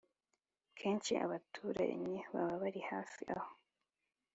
Kenshi abaturanyi baba bari hafi aho